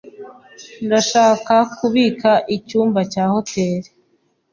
Ndashaka kubika icyumba cya hoteri.